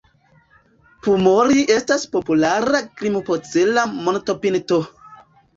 Pumori estas populara grimpocela montopinto.